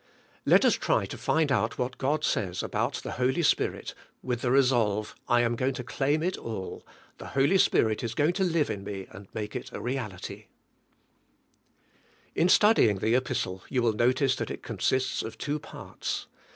Let us try to find out what God says about the Holy Spirit, with the resolve, I am going to claim it all; the Holy Spirit is going to live in me and make it a reality In studying the Kpistle you will notice that it consists of two parts.